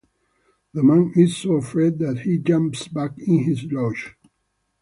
The man is so afraid that he jumps back in his loge.